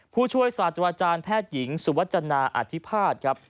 ผู้ช่วยศาสตราจารย์แพทย์หญิงสุวจนาอธิภาษณ์ครับ